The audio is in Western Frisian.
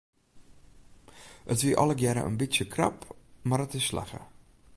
It wie allegear in bytsje krap mar it is slagge.